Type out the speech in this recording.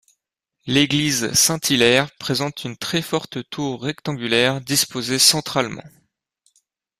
L'église Saint-Hilaire présente une très forte tour rectangulaire disposée centralement.